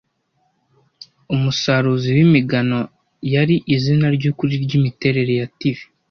Umusaruzi wimigano yari izina ryukuri ryimiterere ya TV